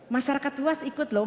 masyarakat luas ikut loh